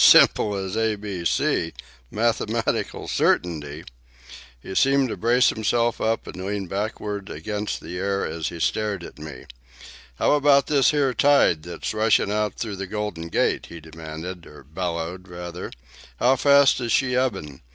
"Simple as A, B, C! Mathematical certainty!" He seemed to brace himself up and lean backward against the air as he stared at me. "How about this here tide that's rushin' out through the Golden Gate?" he demanded, or bellowed, rather. "How fast is she ebbin'?